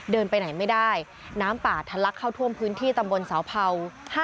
ไปไหนไม่ได้น้ำป่าทะลักเข้าท่วมพื้นที่ตำบลเสาเผา